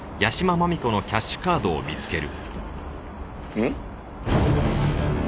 うん？